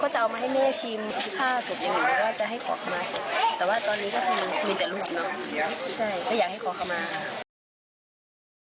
ใช่ก็อยากให้ขอข้ามา